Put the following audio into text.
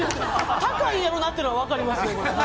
高いなっていうのは分かります。